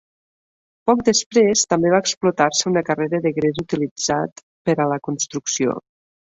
Poc després també va explotar-se una carrera de gres utilitzat per a la construcció.